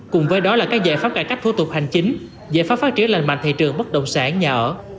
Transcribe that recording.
cùng với đó là các giải pháp cải cách thô tục hành chính giải pháp phát triển lành mạnh thị trường bất động sản nhà ở